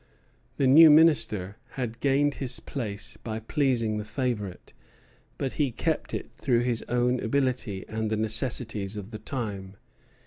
The new Minister had gained his place by pleasing the favorite; but he kept it through his own ability and the necessities of the time.